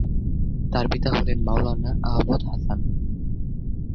তার পিতা হলেন মাওলানা আহমদ হাসান।